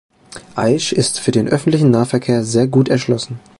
Aesch ist für den öffentlichen Nahverkehr sehr gut erschlossen.